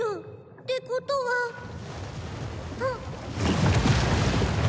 ってことはんっ！